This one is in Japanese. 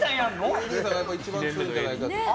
ＡＤさんが一番強いんじゃないかと。